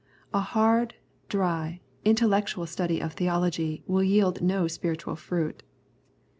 A hard, dry, intellectual study of theology will yield no spiritual fruit.